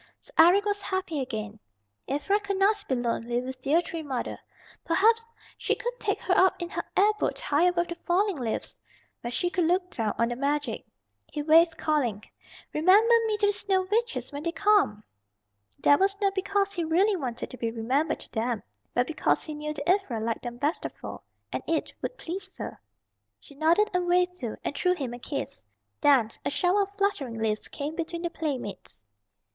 So Eric was happy again, Ivra could not be lonely with dear Tree Mother. Perhaps she would take her up in her air boat high above the falling leaves, where she could look down on the magic. He waved, calling, "Remember me to the Snow Witches when they come." That was not because he really wanted to be remembered to them but because he knew that Ivra liked them best of all, and it would please her. She nodded and waved too, and threw him a kiss. Then a shower of fluttering leaves came between the playmates.